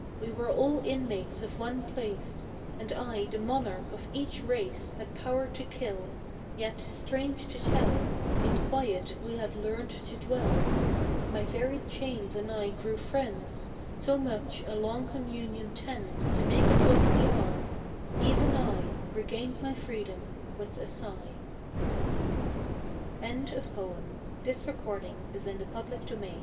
We were all inmates of one place, And I, the monarch of each race, Had power to kill, yet, strange to tell; In quiet we had learned to dwell, My very chains and I grew friends, So much a long communion tends To make us what we are: even I Regained my freedom with a sigh. LORD BYRON. BEFORE SEDAN. "The dead hand clasped a letter."